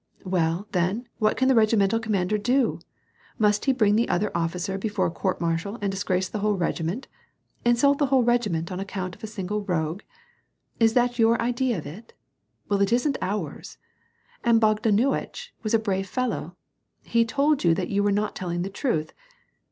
Well, then, what can the regimental com mander do ? Must he bring the officer before a court martial and disgrace the whole regiment ? Insult the whole regiment on account of a single rogue ? Is that your idea of it ? Well, it isn't ours ! And Bogdanuitch was a brave fellow : he told you that you were not telling the truth.